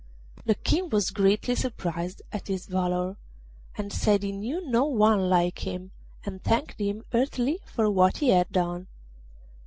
The King was greatly surprised at his valour, and said he knew no one like him, and thanked him heartily for what he had done.